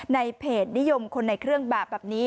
ในเพจนิยมคนในเครื่องแบบแบบนี้